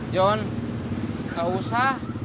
jon gak usah